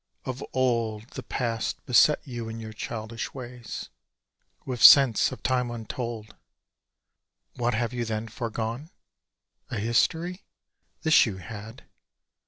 Of old The past beset you in your childish ways, With sense of Time untold! What have you then forgone? A history? This you had.